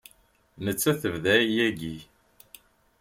Nettat tebda yagi.